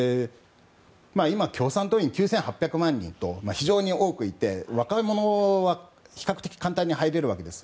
今、共産党員が９８００万人と非常に多くいて、若者は比較的簡単に入れるわけです。